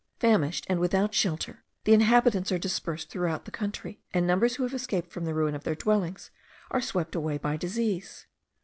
Famished and without shelter, the inhabitants are dispersed through the country, and numbers who have escaped from the ruin of their dwellings are swept away by disease.